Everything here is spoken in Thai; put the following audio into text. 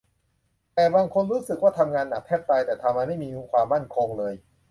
บางคนรู้สึกว่าทำงานหนักแทบตาย แต่ทำไมไม่มีความมั่นคงเลย